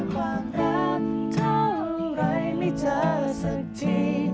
ความรักเท่าไรไม่เจอสักที